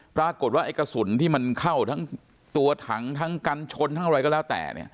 ปรากฏว่าไอ้กระสุนที่มันเข้าทั้งตัวถังทั้งกันชนทั้งอะไรก็แล้วแต่